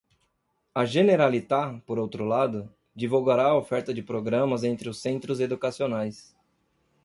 A Generalitat, por outro lado, divulgará a oferta de programas entre os centros educacionais.